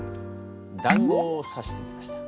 だんごをさしてみました。